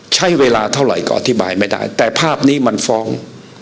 ใช้เวลาเท่าไหร่ก็อธิบายไม่ได้แต่ภาพนี้มันฟ้อง